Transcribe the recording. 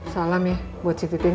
salam ya buat si titin